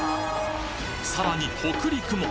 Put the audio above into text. さらに北陸も！